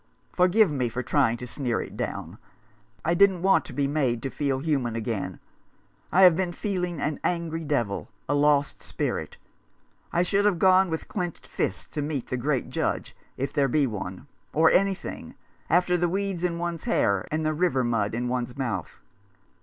Forgive me for trying to sneer it down. I didn't want to be made to feel human again. I have been feeling an angry devil — a lost spirit. I should have gone with clenched fists to meet the Great Judge — if there be one — or Anything — after the weeds in one's hair, and the river mud in one's mouth."